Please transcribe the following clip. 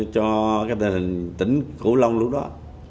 cho tỉnh cửu long lúc đó